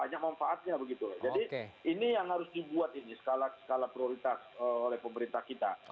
jadi ini yang harus dibuat ini skala prioritas oleh pemerintah kita